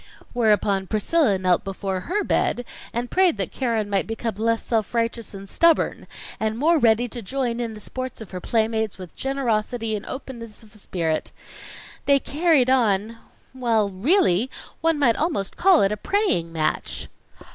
Whereupon Priscilla knelt before her bed, and prayed that Keren might become less self righteous and stubborn, and more ready to join in the sports of her playmates with generosity and openness of spirit. They carried on well, really, one might almost call it a praying match."